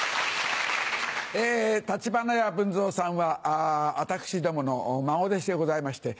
橘家文蔵さんは私どもの孫弟子でございまして。